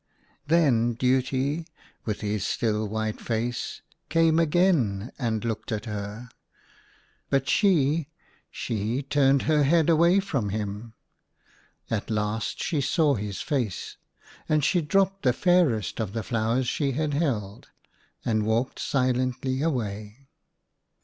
Then Duty, with his still white face, came again, and looked at her ; but she, she turned her head away from him. At last she saw his face, and she drop 54 THE GARDENS OF PLEASURE. ped tho fairest of the flowers she had held, and walked silently away.